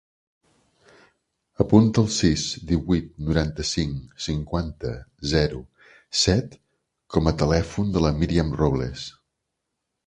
Apunta el sis, divuit, noranta-cinc, cinquanta, zero, set com a telèfon de la Míriam Robles.